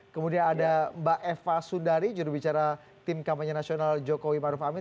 kemudian ada mbak eva sundari jurubicara tim kampanye nasional jokowi maruf amin